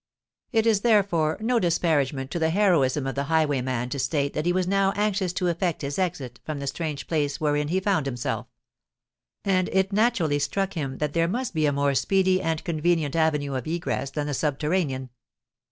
It is, therefore, no disparagement to the heroism of the highwayman to state that he was now anxious to effect his exit from the strange place wherein he found himself; and it naturally struck him that there must be a more speedy and convenient avenue of egress than the subterranean.